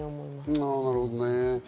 なるほどね。